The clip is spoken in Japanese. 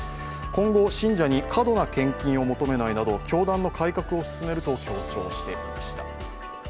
今後、信者に過度な献金は求めないなど教団の改革を進めると強調していました。